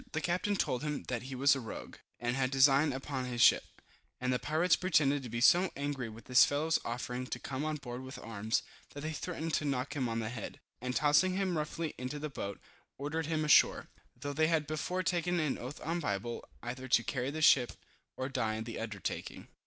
The captain told him that he was a rogue, and had a design upon his ship, and the pirates pretended to be so angry with this fellow's offering to come on board with arms, that they threatened to knock him on the head, and tossing him roughly into the boat, ordered him ashore, though they had before taken an oath on the Bible, either to carry the ship, or die in the undertaking.